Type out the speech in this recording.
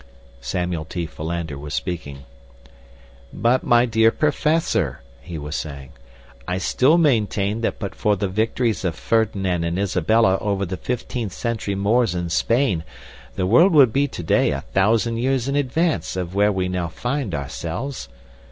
Samuel T. Philander was speaking. "But, my dear professor," he was saying, "I still maintain that but for the victories of Ferdinand and Isabella over the fifteenth century Moors in Spain the world would be today a thousand years in advance of where we now find ourselves.